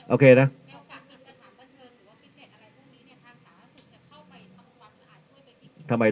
โอเคนะ